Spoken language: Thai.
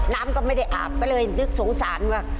น้ำก็ไม่ได้อาบก็เลยนึกสงสารว่า